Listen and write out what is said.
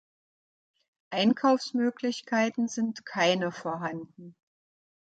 Einkaufsmöglichkeiten sind keine vorhanden.